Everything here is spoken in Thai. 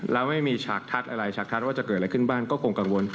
แล้วไม่มีฉากทัดอะไรฉากทัศน์ว่าจะเกิดอะไรขึ้นบ้างก็คงกังวล